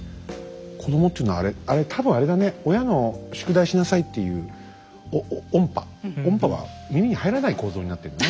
子どもっていうのは多分あれだね親の「宿題しなさい」っていう音波音波は耳に入らない構造になってんだね。